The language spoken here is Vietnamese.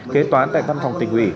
kế toán tại văn phòng tỉnh ủy